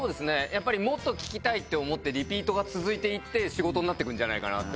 もっと聞きたいって思ってリピートが続いて行って仕事になって行くんじゃないかな。